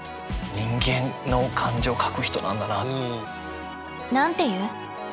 人間の感情を書く人なんだなあっていう。